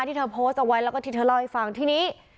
ที่เธอโพสต์เอาไว้แล้วก็ที่เธอเล่าให้ฟังที่นี้